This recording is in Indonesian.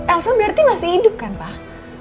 elsa berarti masih hidup kan pak